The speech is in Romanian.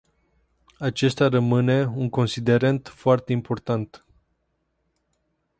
Acesta rămâne un considerent foarte important.